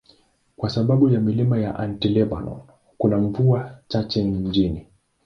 Kwa sababu ya milima ya Anti-Lebanon, kuna mvua chache mjini.